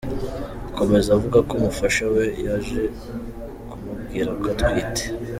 Akomeza avuga ko umufasha we yaje kumubwira ko atwite.